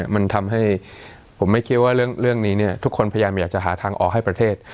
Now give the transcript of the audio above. มันทำให้ผมไม่คิดว่าเรื่องนี้ทุกคนพยายามอยากจะหาทางออกให้ประเทศ